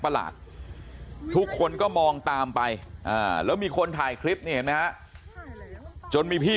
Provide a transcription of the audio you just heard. ประหลาดทุกคนก็มองตามไปแล้วมีคนถ่ายคลิปเนี่ยนะจนมีพี่